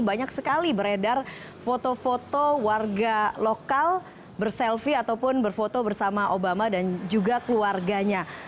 banyak sekali beredar foto foto warga lokal berselfie ataupun berfoto bersama obama dan juga keluarganya